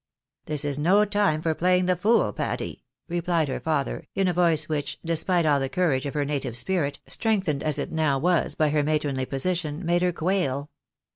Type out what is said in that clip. " This is no time for playing the fool, Patty," replied her father, in a voice which, despite all the courage of her native spirit, strengthened as it now was by her matronly position, made her quail.